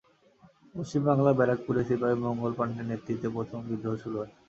পশ্চিম বাংলার ব্যারাকপুরে সিপাহি মঙ্গল পাণ্ডের নেতৃত্বে প্রথম বিদ্রোহ শুরু হয়।